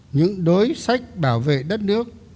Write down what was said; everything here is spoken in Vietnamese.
những đối sách bảo vệ đất nước